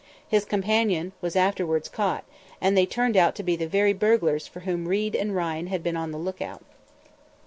His companion was afterward caught, and they turned out to be the very burglars for whom Reid and Ryan had been on the lookout.